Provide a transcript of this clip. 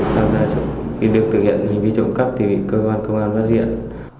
khi được thực hiện hình vi trộm cắp thì bị cơ quan công an bắt riêng